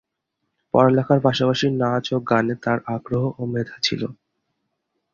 পড়ালেখার পাশাপাশি নাচ ও গানে তার আগ্রহ ও মেধা ছিল।